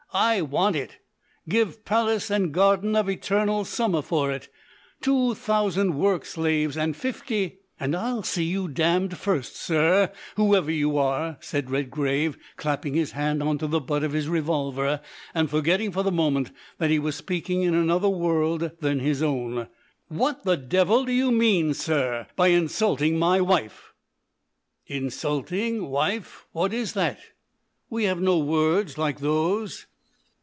I want it. Give Palace and Garden of Eternal Summer for it. Two thousand work slaves and fifty " "And I'll see you damned first, sir, whoever you are!" said Redgrave, clapping his hand on to the butt of his revolver, and forgetting for the moment that he was speaking in another world than his own. "What the devil do you mean, sir, by insulting my wife ?" "Insulting. Wife. What is that? We have no words like those."